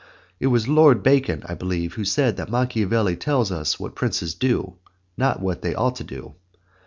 It was Lord Bacon, I believe, who said that Machiavelli tells us what princes do, not what they ought to do.